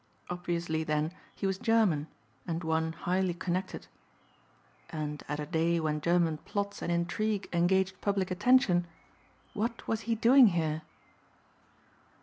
Obviously then he was German and one highly connected. And at a day when German plots and intrigue engaged public attention what was he doing here?